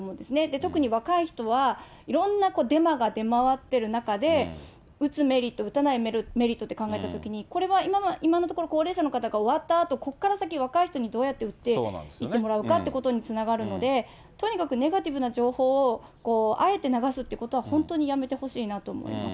特に若い人は、いろんなデマが出回ってる中で、打つメリット、打たないメリットって考えたときに、これは今のところ、高齢者の方が終わったあと、ここから先、若い人にどうやって打っていってもらうかということにつながるので、とにかくネガティブな情報をあえて流すということは本当にやめてほしいなと思います。